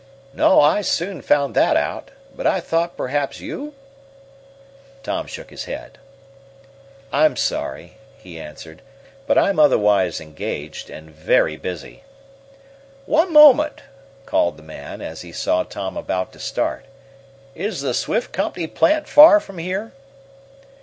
"No, I soon found that out. But I thought perhaps you " Tom shook his head. "I'm sorry," he answered, "but I'm otherwise engaged, and very busy." "One moment!" called the man, as he saw Tom about to start "Is the Swift Company plant far from here?"